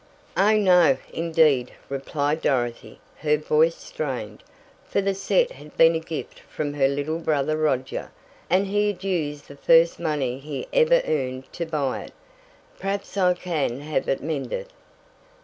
"Oh, no, indeed," replied Dorothy, her voice strained, for the set had been a gift from her little brother Roger, and he had used the first money he ever earned to buy it. "Perhaps I can have it mended."